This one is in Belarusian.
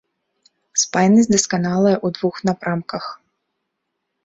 Спайнасць дасканалая ў двух напрамках.